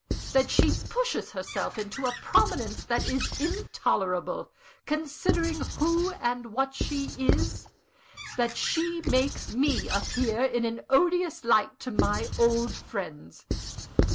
_ that she pushes herself into a prominence that is intolerable, considering who and what she is that she makes me appear in an odious light to my old friends.